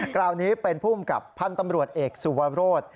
คราวนี้เป็นภูมิกับพันธ์ตำรวจเอกสุวรส